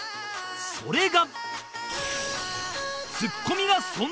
それが